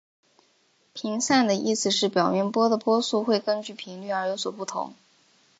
频散的意思是表面波的波速会根据频率而有所不同。